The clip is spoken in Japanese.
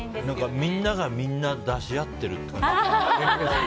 みんながみんな出し合ってる。